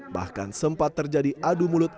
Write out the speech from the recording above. bahkan sempat terjadi adu mulut